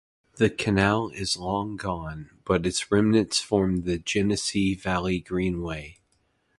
The canal is long gone, but its remnants form the Genesee Valley Greenway.